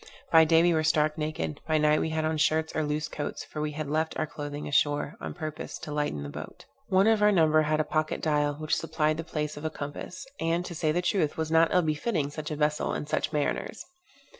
By day we were stark naked; by night we had on shirts or loose coats; for we had left our clothing ashore, on purpose to lighten the boat. One of our number had a pocket dial, which supplied the place of a compass; and, to say the truth, was not ill befitting such a vessel and such mariners.